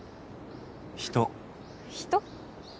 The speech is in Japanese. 人人？